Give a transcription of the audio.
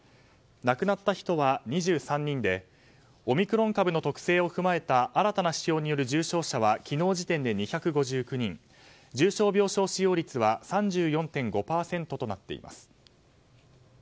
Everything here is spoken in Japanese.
亡くなった人は２３人でオミクロン株の特性を踏まえた新たな指標による重症者は昨日時点で２５９人重症病床使用率は３４．５％となっています。